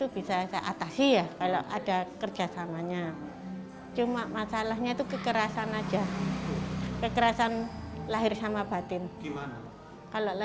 bisa juga mereka berani bersikap menolak diam